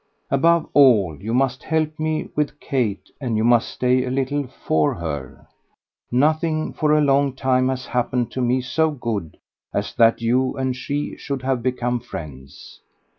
Above all you must help me with Kate, and you must stay a little FOR her; nothing for a long time has happened to me so good as that you and she should have become friends.